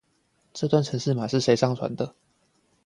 這段程式碼誰上傳的